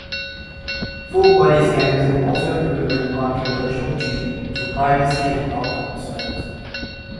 Full body scanners have also proven controversial due to privacy and health concerns.